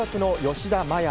吉田麻也